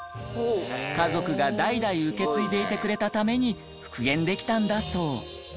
家族が代々受け継いでいてくれたために復原できたんだそう。